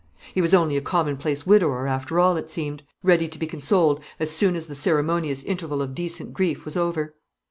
He was only a commonplace widower, after all, it seemed; ready to be consoled as soon as the ceremonious interval of decent grief was over.